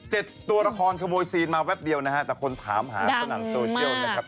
ตัวละครขโมยซีนมาแป๊บเดียวนะฮะแต่คนถามหาสนั่นโซเชียลนะครับ